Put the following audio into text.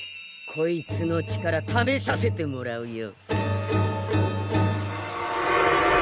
こいつの力ためさせてもらうよ！